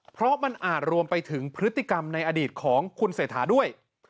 เพราะมันอาจรวมไปถึงพฤติกรรมในอดีตของคุณเศรษฐาด้วย